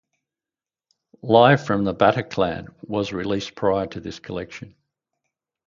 "Live from the Bataclan" was released prior to this collection.